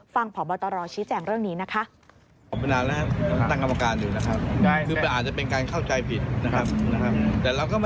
ฟังผอบตรชี้แจ่งเรื่องนี้นะคะ